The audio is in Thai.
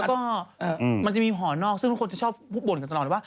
แล้วก็มันจะมีอยู่ห่อนอกซึ่งคนถึงชอบบ่นกันตลอดก่อนว่า